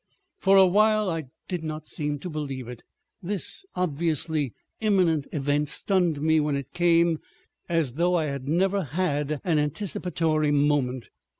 For a while I did not seem to believe it; this obviously imminent event stunned me when it came, as though I had never had an anticipatory moment.